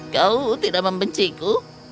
kau tidak membenciku